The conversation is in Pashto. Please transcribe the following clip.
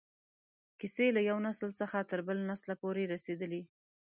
کیسې له یو نسل څخه تر بل نسله پورې رسېدې.